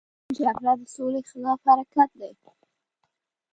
جګړه د سولې خلاف حرکت دی